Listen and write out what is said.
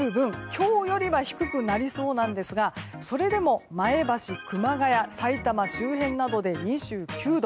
今日よりは低くなりそうですがそれでも前橋、熊谷さいたま周辺などで２９度。